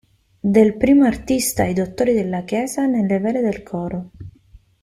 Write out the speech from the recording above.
Del primo artista i "Dottori della Chiesa" nelle vele del coro.